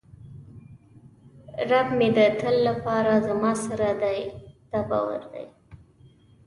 رب مې د تل لپاره زما سره دی دا باور دی.